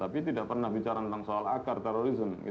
tapi tidak pernah bicara tentang soal akar terorisme